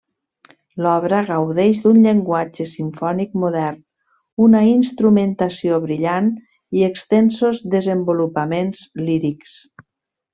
L'obra gaudeix d'un llenguatge simfònic modern, una instrumentació brillant i extensos desenvolupaments lírics.